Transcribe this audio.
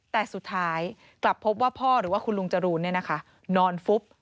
แต่สุดท้ายกลับพบว่าพ่อหรือว่าคุณลุงจรูนนอนฟุบ